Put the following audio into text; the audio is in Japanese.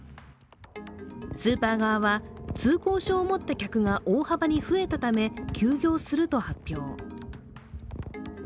スーパー側は、通行証を持った客が大幅に増えたため休業すると発表。